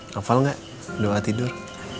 nafal gak doa tidur